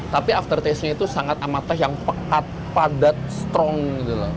tapi after taste nya itu sangat amateh yang pekat padat strong gitu loh